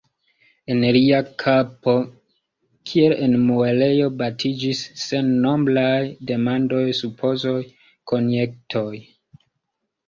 En lia kapo kiel en muelejo batiĝis sennombraj demandoj, supozoj, konjektoj.